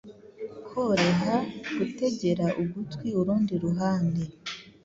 Koreha gutegera ugutwi Urundi ruhande